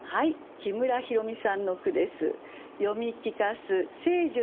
木村弘美さんの句です。